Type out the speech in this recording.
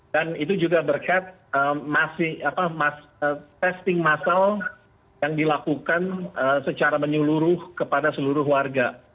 dan itu juga berkat testing masal yang dilakukan secara menyeluruh kepada seluruh warga